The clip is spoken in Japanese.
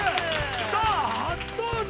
さあ、初登場。